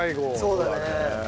そうだね。